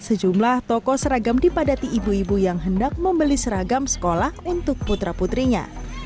sejumlah toko seragam dipadati ibu ibu yang hendak membeli seragam sekolah untuk putra putrinya